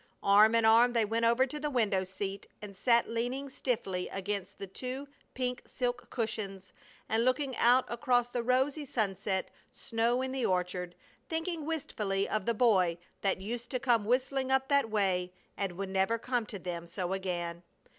Arm in arm they went over to the window seat and sat leaning stiffly against the two pink silk cushions, and looking out across the rosy sunset snow in the orchard, thinking wistfully of the boy that used to come whistling up that way and would never come to them so again.